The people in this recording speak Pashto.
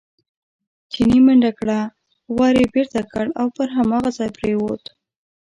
چیني منډه کړه، ور یې بېرته کړ او پر هماغه ځای پرېوت.